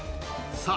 さあ